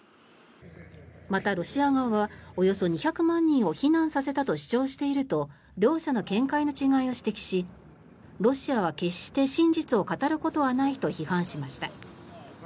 また、ロシア側はおよそ２００万人を避難させたと主張していると両者の見解の違いを指摘しロシアは決して真実を語ることはないと批判しました。